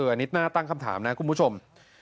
อันนี้น่าตั้งคำถามนะคุณผู้ชม